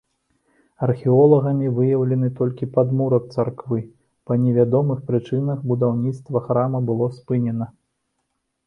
Археолагамі выяўлены толькі падмурак царквы, па невядомых прычынах будаўніцтва храма было спынена.